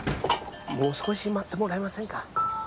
もう少し待ってもらえませんか？